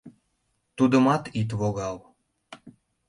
Тудымат ит логал!